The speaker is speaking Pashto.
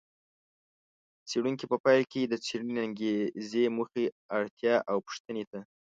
څېړونکي په پیل کې د څېړنې انګېزې، موخې، اړتیا او پوښتنې ته